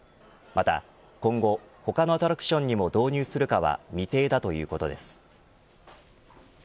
また今後、他のアトラクションにも導入するかは未定だということです。